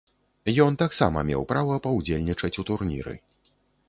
Ён таксама меў права паўдзельнічаць у турніры.